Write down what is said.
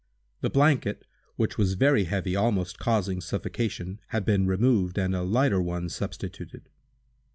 The blanket, which was very heavy, almost causing suffocation, had been removed, and a lighter one substituted.